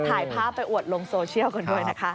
ถ่ายภาพไปอวดลงโซเชียลกันด้วยนะคะ